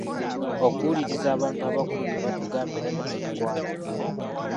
Okuwuliriza abantu abakulu bye batugamba era ne tubikwata.